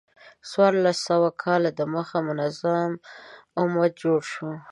څوارلس سوه کاله د مخه منظم امت جوړ شو.